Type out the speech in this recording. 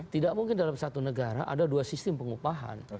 tidak mungkin dalam satu negara ada dua sistem pengupahan